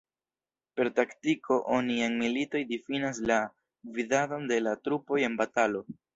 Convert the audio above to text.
Per taktiko oni en militoj difinas la gvidadon de la trupoj en batalo.